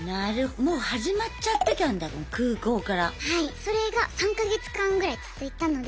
それが３か月間ぐらい続いたので。